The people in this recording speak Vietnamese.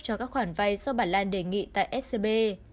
cho các khoản vay do bà lan đề nghị tại scb